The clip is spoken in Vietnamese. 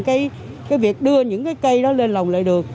cái việc đưa những cây đó lên lòng lệ đường